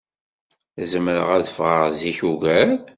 Zemreɣ ad ffɣeɣ zik ugar?